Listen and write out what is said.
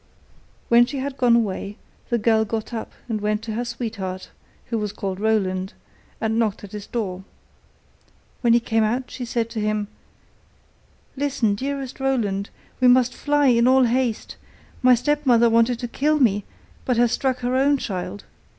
When she had gone away, the girl got up and went to her sweetheart, who was called Roland, and knocked at his door. When he came out, she said to him: 'Listen, dearest Roland, we must fly in all haste; my stepmother wanted to kill me, but has struck her own child.